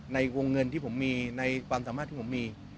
ในวงเงินที่ผมมีในความสามารถที่ผมมี